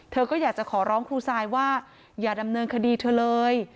เธอก็อยากจะขอร้องครูซายว่าอย่าดำเนินคดีเธอเลย